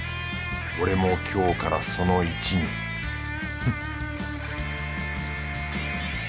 俺も今日からその一味フッ